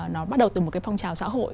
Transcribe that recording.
nó bắt đầu từ một cái phong trào xã hội